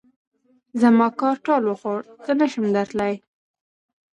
زما کار ټال وخوړ؛ زه نه شم درتلای.